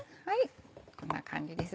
こんな感じです。